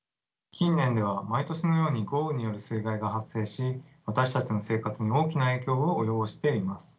近年では毎年のように豪雨による水害が発生し私たちの生活に大きな影響を及ぼしています。